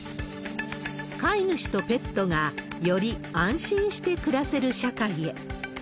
飼い主とペットがより安心して暮らせる社会へ。